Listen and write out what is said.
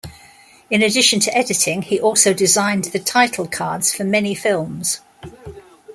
In addition to editing, he also designed the title cards for many films.